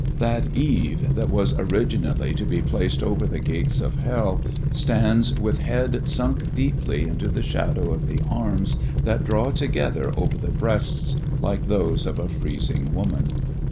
That Eve, that was originally to be placed over the Gates of Hell, stands with head sunk deeply into the shadow of the arms that draw together over the breast like those of a freezing woman.